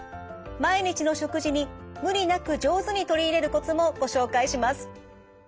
毎日の食事に無理なく上手に取り入れるコツもご紹介します。